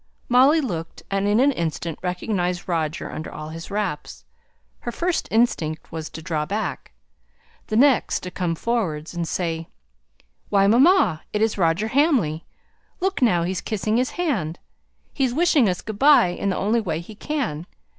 Molly looked, and in an instant recognized Roger under all his wraps. Her first instinct was to draw back. The next to come forwards, and say "Why, mamma, it's Roger Hamley! Look now he's kissing his hand; he's wishing us good by in the only way he can!"